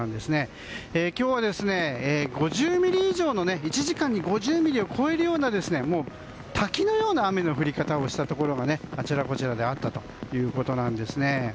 今日は１時間に５０ミリを超えるような滝のような雨の降り方をしたところがあちらこちらであったということです。